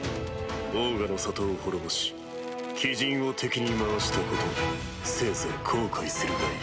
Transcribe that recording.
オーガの里を滅ぼし鬼人を敵に回したことせいぜい後悔するがいい。